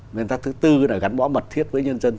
nguyên tắc thứ tư là gắn bó mật thiết với nhân dân